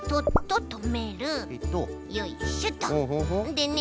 でね